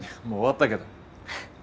もう終わったけど。